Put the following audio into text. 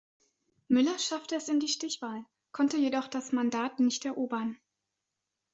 Müller schaffte es in die Stichwahl, konnte jedoch das Mandat nicht erobern.